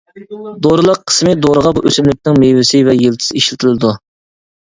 دورىلىق قىسمى دورىغا بۇ ئۆسۈملۈكنىڭ مېۋىسى ۋە يىلتىزى ئىشلىتىلىدۇ.